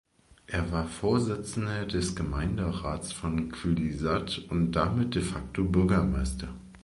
Er war Vorsitzender des Gemeinderats von Qullissat und damit de facto Bürgermeister.